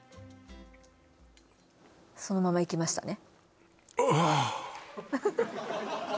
そのままいきましたね